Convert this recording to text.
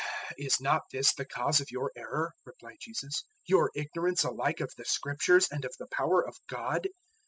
012:024 "Is not this the cause of your error," replied Jesus "your ignorance alike of the Scriptures and of the power of God?